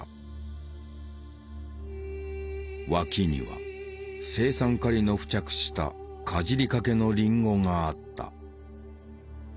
脇には青酸カリの付着したかじりかけのリンゴがあった。